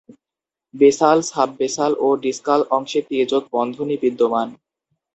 Basal, sub basal এবং ডিসকাল অংশে তীর্যক বন্ধনী বিদ্যমান।